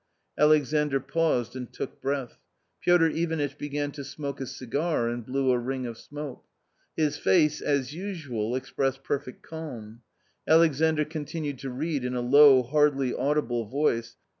Alexandr paused and took breath. Piotr Ivanitch began to smoke a cigar and blew a ring of smoke. His face, as usual, expressed perfect calm. Alexandr continued to read in a low, hardly audible voice.